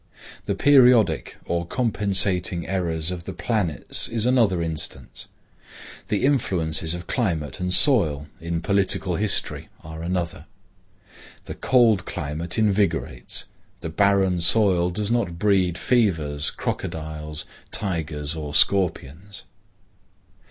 The periodic or compensating errors of the planets is another instance. The influences of climate and soil in political history are another. The cold climate invigorates. The barren soil does not breed fevers, crocodiles, tigers or scorpions.